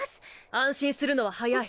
安心するのは早い。